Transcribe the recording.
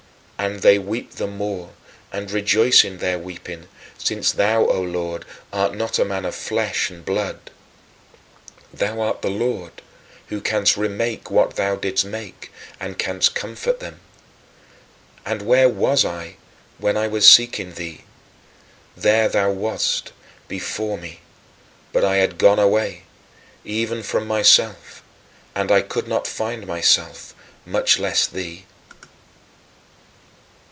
And they weep the more and rejoice in their weeping, since thou, O Lord, art not a man of flesh and blood. Thou art the Lord, who canst remake what thou didst make and canst comfort them. And where was I when I was seeking thee? There thou wast, before me; but I had gone away, even from myself, and I could not find myself, much less thee.